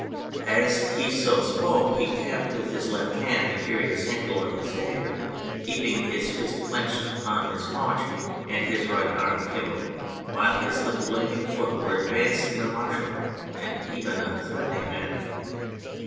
As he so spoke he tapped with his left hand the curious handle of his dagger, keeping his fist clenched upon his haunch and his right arm akimbo, while his left leg and foot were advanced in a martial and even in a threatening manner.